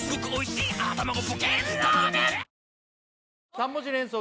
３文字連想